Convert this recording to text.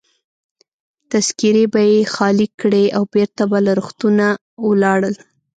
تذکیرې به يې خالي کړې او بیرته به له روغتونه ولاړل.